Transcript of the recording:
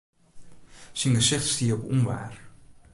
Syn gesicht stie op ûnwaar.